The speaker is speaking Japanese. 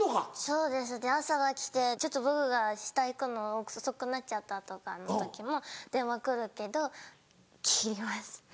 そうですね朝が来てちょっと僕が下行くの遅くなっちゃったとかの時も電話来るけど切ります。